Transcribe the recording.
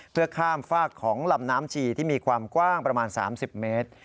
เพื่อข้ามฝากของลำน้ำชีที่มีความกว้างประมาณ๓๐เมตร